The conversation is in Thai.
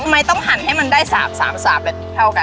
ไม่ต้องหั่นให้มันได้๓แบบเท่ากัน